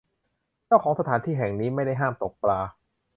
เจ้าของสถานที่แห่งนี้ไม่ได้ห้ามตกปลา